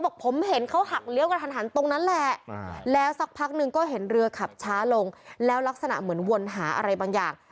บอกผมเห็นเขาหักเลี้ยวกระทันหันตรงนั้นแหละแล้วสักพักหนึ่งก็เห็นเรือขับช้าลงแล้วลักษณะเหมือนวนหาอะไรบางอย่าง